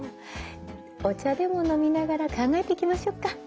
お茶でも飲みながら考えていきましょうか。